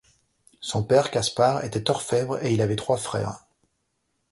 Son père Caspard était orfèvre et il avait trois frères.